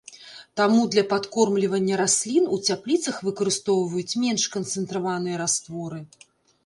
Таму для падкормлівання раслін у цяпліцах выкарыстоўваюць менш канцэнтраваныя растворы.